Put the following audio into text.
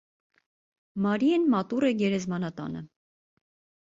Մարիեն մատուռ է գերեզմանատանը։